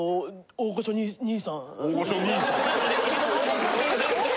・大御所兄さん